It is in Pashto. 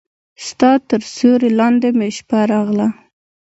ستا تر سیوري لاندې مې شپه راغله